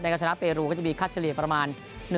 ก็ชนะเปรูก็จะมีค่าเฉลี่ยประมาณ